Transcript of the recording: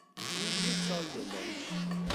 او یک سال زندانی بود.